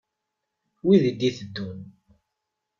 Wid i d-iteddun.